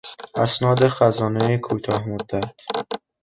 اسناد خزانهی کوتاه مدت